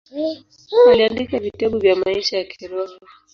Aliandika vitabu vya maisha ya kiroho.